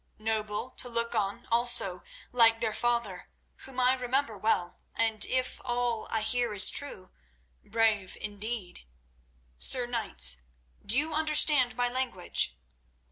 Noble to look on also, like their father, whom I remember well, and, if all I hear is true, brave indeed. Sir Knights, do you understand my language?"